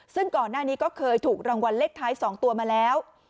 ซึ่งก่อนหน้านี้ก็เคยถูกรางวัลเลขท้าย๒ตัวมาแล้ว